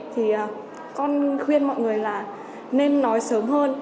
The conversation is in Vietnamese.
thì con khuyên mọi người là nên nói sớm hơn